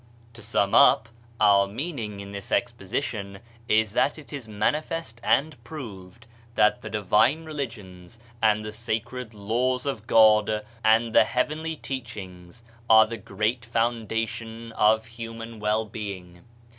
To sum up, our meaning in this exposition is that it is manifest and proved that the divine religions and the sacred Laws of God and the heavenly teachings are the great foundation of human well being.